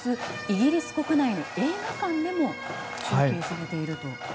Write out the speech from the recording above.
イギリス国内の映画館でも中継されていると。